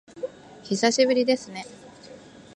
久しぶりですね